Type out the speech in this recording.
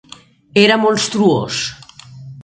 Era monstruós.